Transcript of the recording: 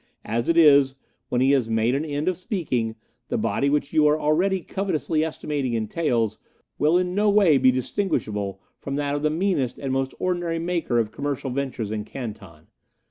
As it is, when he has made an end of speaking, the body which you are already covetously estimating in taels will in no way be distinguishable from that of the meanest and most ordinary maker of commercial ventures in Canton.